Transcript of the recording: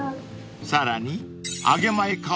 ［さらに］